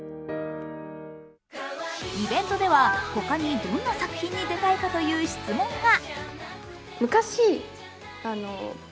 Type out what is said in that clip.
イベントでは、他にどんな作品に出たいかという質問が。